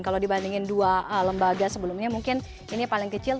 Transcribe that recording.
kalau dibandingin dua lembaga sebelumnya mungkin ini paling kecil